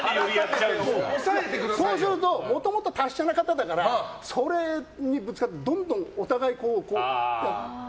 そうするともともと達者な方だからそれにぶつかってお互いどんどん。